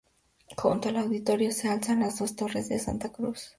Junto al auditorio se alzan las dos Torres de Santa Cruz.